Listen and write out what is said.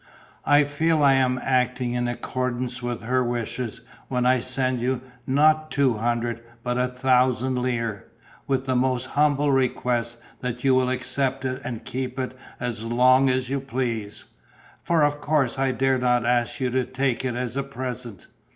I feel I am acting in accordance with her wishes when I send you not two hundred but a thousand lire, with the most humble request that you will accept it and keep it as long as you please. For of course I dare not ask you to take it as a present.